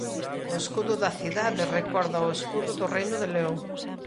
O escudo da cidade recorda ao escudo do reino de León.